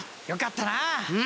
よかったな！